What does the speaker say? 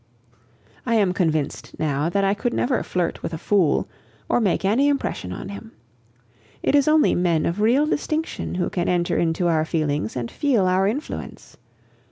I am convinced now that I could never flirt with a fool or make any impression on him. It is only men of real distinction who can enter into our feelings and feel our influence.